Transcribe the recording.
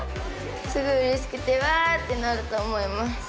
すごいうれしくてうわってなると思います。